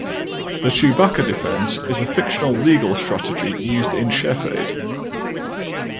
The Chewbacca defense is a fictional legal strategy used in "Chef Aid".